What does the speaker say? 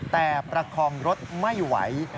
แต่ประคองรถไม่ไหว